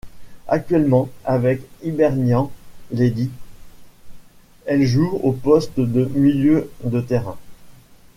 Actuellement avec Hibernian Ladies, elle joue au poste de milieu de terrain.